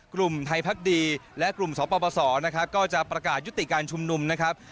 กลุ่มไทยพักดีและกลุ่มสปสนะครับก็จะประกาศยุติการชุมนุมนะครับ